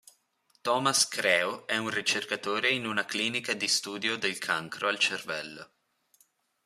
Tomas Creo è un ricercatore in una clinica di studio del cancro al cervello.